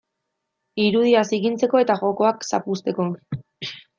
Irudia zikintzeko eta jokoak zapuzteko.